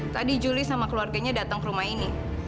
tadi juli sama keluarganya datang ke rumah ini